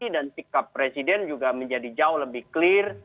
dan sikap presiden juga menjadi jauh lebih clear